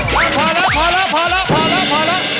พอแล้วพอแล้วพอแล้วพอแล้ว